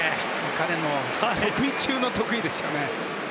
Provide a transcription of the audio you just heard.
彼の得意中の得意ですからね。